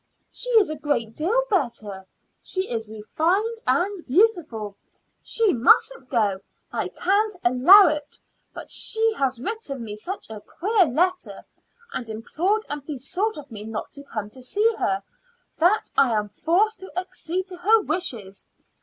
"She is a great deal better. She is refined and beautiful. She mustn't go; I can't allow it. But she has written me such a queer letter, and implored and besought of me not to come to see her, that I am forced to accede to her wishes.